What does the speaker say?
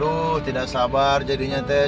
aduh tidak sabar jadinya teh